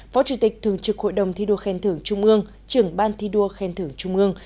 phó chủ tịch thường trực hội đồng thi đua khen thưởng trung ương trưởng ban thi đua khen thưởng trung ương